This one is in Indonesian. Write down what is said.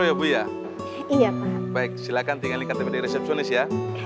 idulnya tinggi banget ya